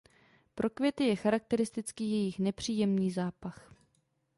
Pro květy je charakteristický jejich nepříjemný zápach.